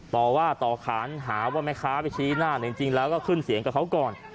ต่อว่าต่อขานหาว่าแม่ค้าไปชี้หน้าจริงแล้วก็ขึ้นเสียงกับเขาก่อน